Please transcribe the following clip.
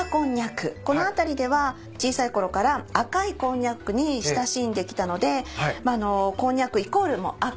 この辺りでは小さいころから赤いこんにゃくに親しんできたのでこんにゃくイコール赤。